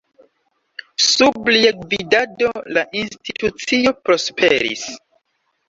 Sub lia gvidado la institucio prosperis.